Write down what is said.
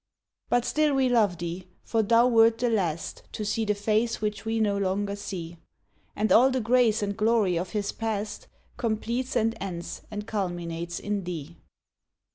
TWO YEARS l6l it still we love thee, for thou wert the last To see the face which we no longer see, [A id all the grace and glory of his past Completes and ends and culminates in thee.